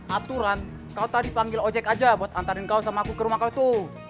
aturan kau tadi panggil ojek aja buat antarin kau sama aku ke rumah kau tuh